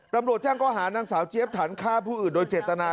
ตำรวจแจ้งข้อหานางสาวเจี๊ยบฐานฆ่าผู้อื่นโดยเจตนา